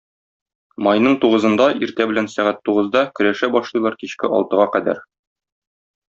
Майның тугызында иртә белән сәгать тугызда көрәшә башлыйлар кичке алтыга кадәр.